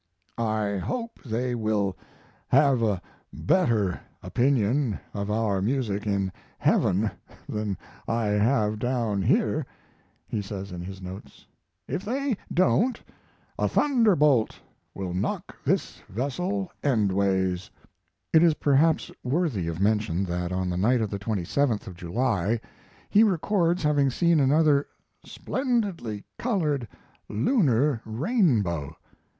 "I hope they will have a better opinion of our music in heaven than I have down here," he says in his notes. "If they don't, a thunderbolt will knock this vessel endways." It is perhaps worthy of mention that on the night of the 27th of July he records having seen another "splendidly colored, lunar rainbow."